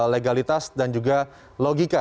legalitas dan juga logika